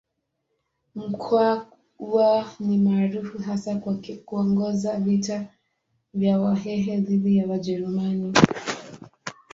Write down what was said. Mkwawa ni maarufu hasa kwa kuongoza vita vya Wahehe dhidi ya Wajerumani.